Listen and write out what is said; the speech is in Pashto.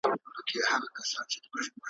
د بل رهبر وي د ځان هینداره `